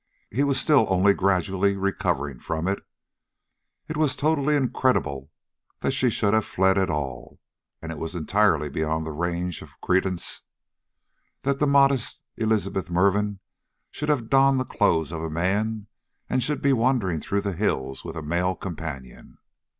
He was still only gradually recovering from it. It was totally incredible that she should have fled at all. And it was entirely beyond the range of credence that modest Elizabeth Mervin should have donned the clothes of a man and should be wandering through the hills with a male companion.